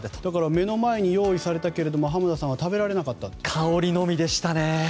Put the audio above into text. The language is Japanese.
目の前に用意されたけれども濱田さんは食べられなかったと。